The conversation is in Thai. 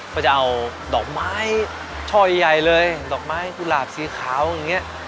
ก็จะเอาดอกไม้ช่อใหญ่เลยดอกไม้กุหลาบสีขาวอย่างนี้